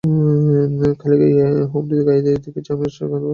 খালি গায়ে হুমড়ি খেয়েদেখছি আমি আসছে ধেয়েআবার দেখি বাতাস ফাটায়ব্যস্ত ঠান্ডা চাষে।